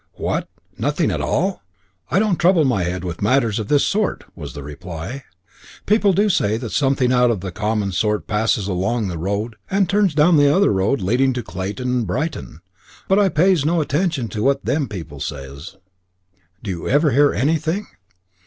"What! Nothing at all?" "I don't trouble my head with matters of this sort," was the reply. "People do say that something out of the common sort passes along the road and turns down the other road leading to Clayton and Brighton; but I pays no attention to what them people says." "Do you ever hear anything?"